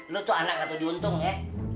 lu tuh anak yang diuntung ya